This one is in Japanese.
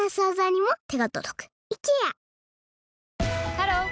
ハロー！